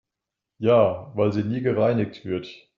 Ja, weil sie nie gereinigt wird.